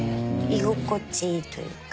居心地いいというか。